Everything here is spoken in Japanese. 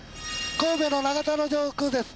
神戸の長田の上空です。